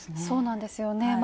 そうなんですよね。